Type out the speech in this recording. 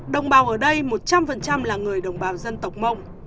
đồng bào ở đây một trăm linh là người đồng bào dân tộc mông